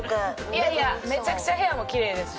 いやいやめちゃくちゃ部屋もきれいですし。